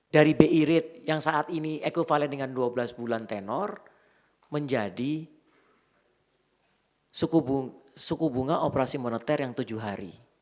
dari bi rate yang saat ini equivalent dengan dua belas bulan tenor menjadi suku bunga operasi moneter yang tujuh hari